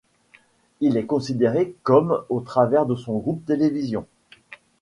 Il est considéré comme au travers de son groupe Television.